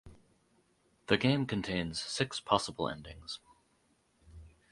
The game contains six possible endings.